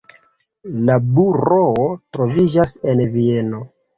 La buroo troviĝas en Vieno.